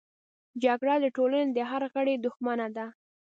جګړه د ټولنې د هر غړي دښمنه ده